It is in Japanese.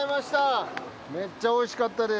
めっちゃおいしかったです。